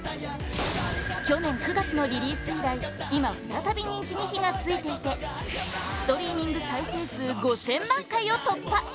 去年９月のリリース以来今、再び人気に火が付いていてストリーミング再生数５０００万回を突破